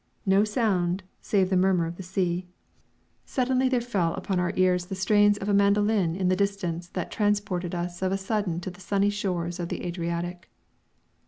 No sound save the murmur of the sea. Suddenly there fell upon our ears the strains of a mandoline in the distance that transported us of a sudden to the sunny shores of the Adriatic.